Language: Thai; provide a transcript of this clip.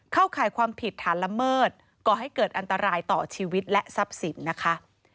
ข่ายความผิดฐานละเมิดก่อให้เกิดอันตรายต่อชีวิตและทรัพย์สินนะคะ